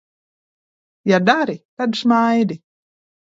Ja dari, tad smaidi!